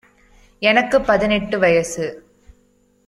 எனக்கு பதினெட்டு வயசு.